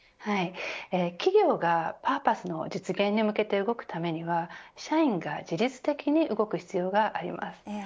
企業がパーパスの実現に向けて動くためには社員が自律的に動く必要があります。